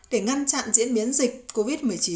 để ngăn chặn diễn biến dịch covid một mươi chín